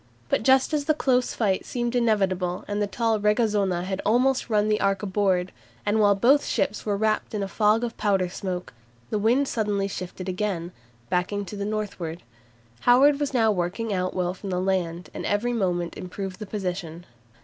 But just as the close fight seemed inevitable and the tall "Regazona" had almost run the "Ark" aboard, and while both ships were wrapped in a fog of powder smoke, the wind suddenly shifted again, backing to the northward. Howard was now working out well from the land, and every moment improved the position.